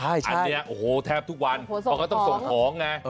อันนี้แทบทุกวันมันก็ต้องส่งของ